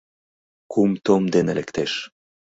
Кум том дене лектеш